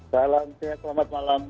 salam sehat selamat malam